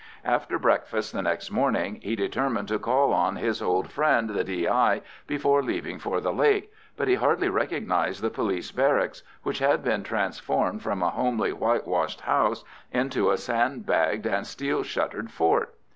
After breakfast the next morning he determined to call on his old friend the D.I. before leaving for the lake, but he hardly recognised the police barracks, which had been transformed from a homely whitewashed house into a sandbagged and steel shuttered fort.